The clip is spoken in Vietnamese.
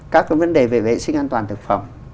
các vấn đề về vệ sinh an toàn thực phẩm